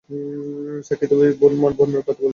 সাক্ষী, তুমি বোন ভান্নোর কথা বলছ।